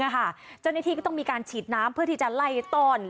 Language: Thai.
เจ้าหน้าที่ก็ต้องมีการฉีดน้ำเพื่อที่จะไล่ต้อน